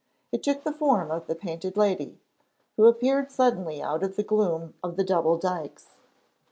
It took the form of the Painted Lady, who appeared suddenly out of the gloom of the Double Dykes.